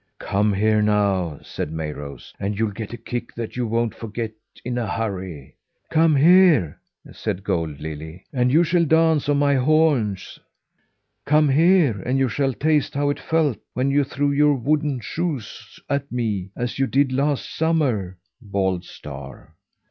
"Come here, you!" said Mayrose, "and you'll get a kick that you won't forget in a hurry!" "Come here," said Gold Lily, "and you shall dance on my horns!" "Come here, and you shall taste how it felt when you threw your wooden shoes at me, as you did last summer!" bawled Star.